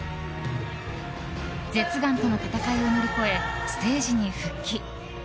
舌がんとの闘いを乗り越えステージに復帰。